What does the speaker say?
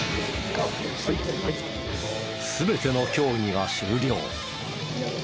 全ての競技が終了。